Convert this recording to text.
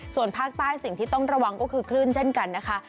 ส่วนภาคใต้สิ่งที่ต้องระวังก็คือคลื่นเช่นกันนะคะ